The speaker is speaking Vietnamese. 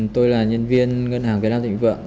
tôi là nhân viên ngân hàng việt nam thịnh vượng